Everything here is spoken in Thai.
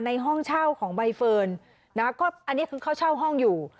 ห้องเช่าของใบเฟิร์นนะก็อันนี้คือเขาเช่าห้องอยู่